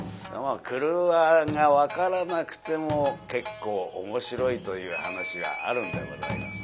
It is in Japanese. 郭が分からなくても結構面白いという噺はあるんでございます。